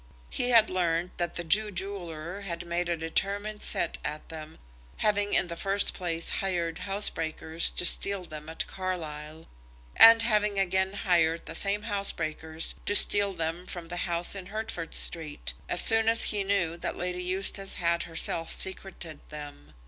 He had learned that the Jew jeweller had made a determined set at them, having in the first place hired housebreakers to steal them at Carlisle, and having again hired the same housebreakers to steal them from the house in Hertford Street, as soon as he knew that Lady Eustace had herself secreted them.